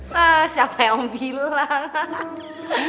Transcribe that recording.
wah siapa yang bilang